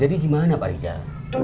jadi gimana pak rijal